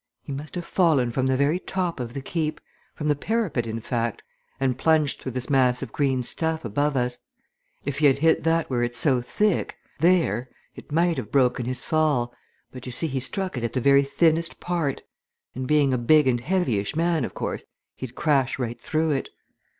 "He must have fallen from the very top of the Keep from the parapet, in fact and plunged through this mass of green stuff above us. If he had hit that where it's so thick there! it might have broken his fall, but, you see, he struck it at the very thinnest part, and being a big and heavyish man, of course, he'd crash right through it.